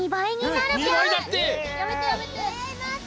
やめてやめて。